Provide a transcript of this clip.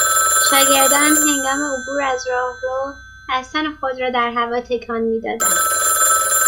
شاگردانهنگام عبور از راهرو، دستان خود را در هوا تکان میدادند.